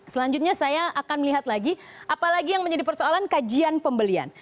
selanjutnya saya akan melihat lagi apalagi yang menjadi persoalan kajian pembelian